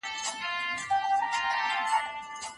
د زنې خال دې د لار ورکو لارښوونکی گرانې